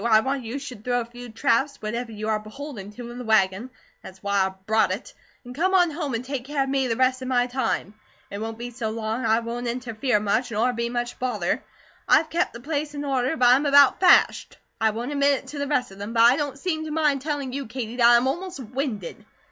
I want you should throw a few traps, whatever you are beholden to, in the wagon that's why I brought it and come on home and take care of me the rest of my time. It won't be so long; I won't interfere much, nor be much bother. I've kep' the place in order, but I'm about fashed. I won't admit it to the rest of them; but I don't seem to mind telling you, Katie, that I am almost winded.